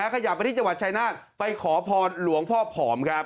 ขยับไปที่จังหวัดชายนาฏไปขอพรหลวงพ่อผอมครับ